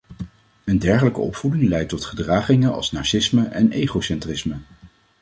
Een dergelijke opvoeding leidt tot gedragingen als narcisme en egocentrisme.